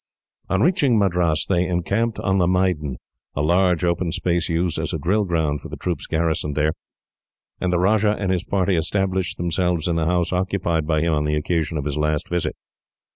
On reaching Madras, they encamped on the Maidan a large, open space used as a drill ground for the troops garrisoned there and the Rajah and his party established themselves in the house occupied by him on the occasion of his last visit.